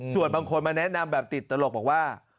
ส่วนบางคนมาแนะนำแบบติดตลกบอกว่า